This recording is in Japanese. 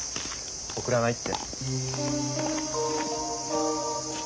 送らないって。